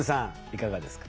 いかがですか？